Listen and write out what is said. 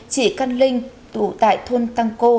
chị căn linh tụ tại thôn tăng cô